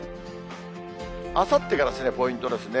あさってからがポイントですね。